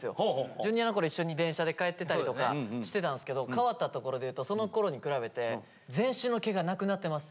Ｊｒ．のころ一緒に電車で帰ってたりとかしてたんすけど変わったところで言うとそのころに比べて全身の毛がなくなってます。